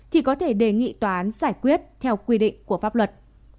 thì có thể đề nghị tòa án giải quyết theo quy định của pháp luật